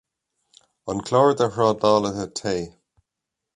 An Clár de Thrádálaithe Tae.